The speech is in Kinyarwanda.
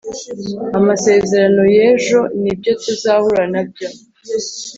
amasezerano y'ejo nibyo tuzahura nabyo